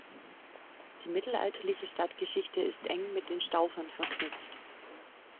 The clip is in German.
Die mittelalterliche Stadtgeschichte ist eng mit den Staufern verknüpft.